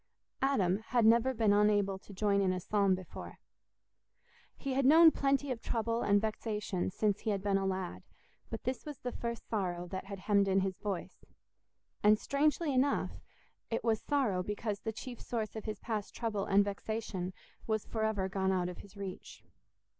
Adam had never been unable to join in a psalm before. He had known plenty of trouble and vexation since he had been a lad, but this was the first sorrow that had hemmed in his voice, and strangely enough it was sorrow because the chief source of his past trouble and vexation was for ever gone out of his reach.